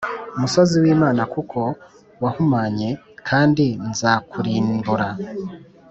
musozi w Imana kuko wahumanye kandi nzakurimbura